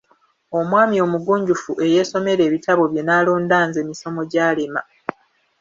Omwami omugunjufu eyeesomera ebitabo bye n'alonda nze misomogyalema!